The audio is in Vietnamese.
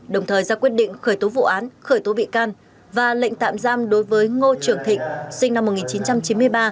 đồng thời ra quyết định khởi tố vụ án khởi tố bị can và lệnh tạm giam đối với ngô trường thịnh sinh năm một nghìn chín trăm chín mươi ba